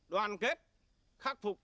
đoàn kết khắc phục